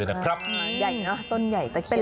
ใหญ่เนอะต้นใหญ่ตะเคียน